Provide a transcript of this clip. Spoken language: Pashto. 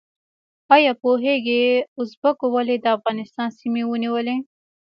ایا پوهیږئ ازبکو ولې د افغانستان سیمې ونیولې؟